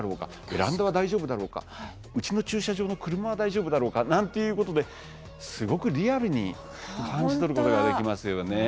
ベランダは大丈夫だろうかうちの駐車場の車は大丈夫だろうかなんていうことですごくリアルに感じ取ることができますよね。